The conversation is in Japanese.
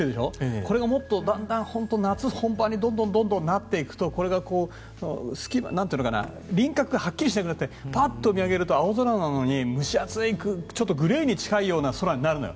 これが夏本番にだんだんなっていくとこれが輪郭がはっきりしてきてぱっと見上げると青空なのに蒸し暑い、グレーに近いような空になるのよ。